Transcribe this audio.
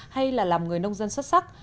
hay là làm người nông dân xuất sắc